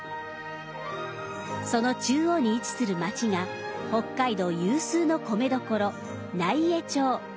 その中央に位置する町が北海道有数の米どころ奈井江町。